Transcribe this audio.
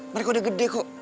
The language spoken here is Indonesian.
mereka udah gede kok